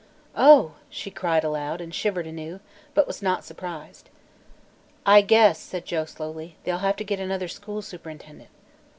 "Oh!" she cried aloud, and shivered anew, but was not surprised. "I guess," said Joe slowly, "they'll have to get another school superintendent."